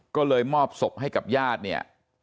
ก็เลยมอบศพให้กับญาติเนี่ย